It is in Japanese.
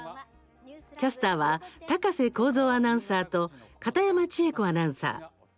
キャスターは高瀬耕造アナウンサーと片山千恵子アナウンサー。